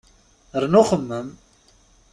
Rnu xemmem!